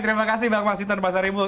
terima kasih bang mas hinton pasar ibu